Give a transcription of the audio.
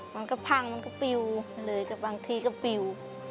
มันก็พังมันก็ปิวเลยแต่บางทีก็ปิว